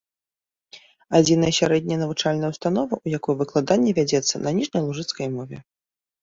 Адзіная сярэдняя навучальная ўстанова, у якой выкладанне вядзецца на ніжнялужыцкай мове.